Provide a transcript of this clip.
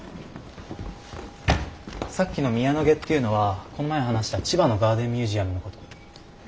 さっきの宮野花っていうのはこの前話した千葉のガーデンミュージアムのこと。